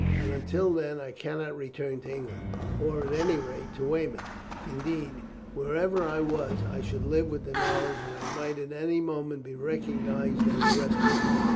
And until then I cannot return to England, or at any rate to Weymouth; indeed, wherever I was, I should live with the knowledge that I might at any moment be recognized and arrested.